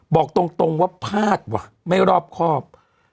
บอกตรงว่าพลาดว่ะไม่รอบครอบ